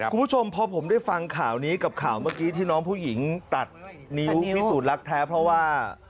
คุณผู้ชมพอผมได้ฟังข่าวนี้กับข่าวเมื่อกี้ที่น้องผู้หญิงตัดนิ้วพิสูจนรักแท้เพราะว่า